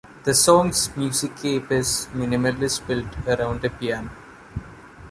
The song's musicscape is minimalist built around a piano.